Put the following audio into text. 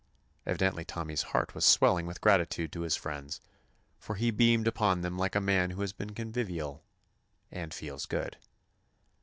Evidently Tommy's heart was swelling with gratitude to his friends, for he beamed upon them like a man who has been convivial and "feels good."